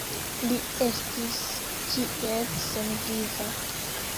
Li estis kiel senviva.